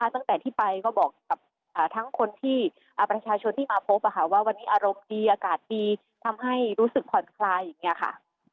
ตั้งแต่ที่ไปก็บอกกับทั้งคนที่ประชาชนที่มาพบว่าวันนี้อารมณ์ดีอากาศดีทำให้รู้สึกผ่อนคลายอย่างนี้ค่ะ